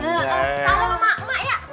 salam sama emak ya